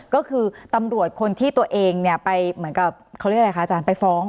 ก็คือตำรวจคนที่ตัวเองเนี่ยไปเหมือนกับเขาเรียกอะไรคะอาจารย์ไปฟ้อง